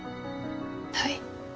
はい。